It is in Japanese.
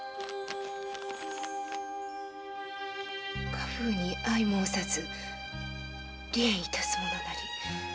「家風に合い申さず離縁致すものなり。